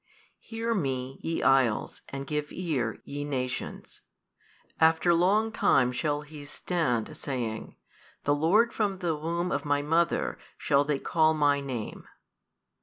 Hear Me, ye isles, and give ear, ye nations: after long time shall He stand, saying, The Lord from the womb of My mother shall they call My Name.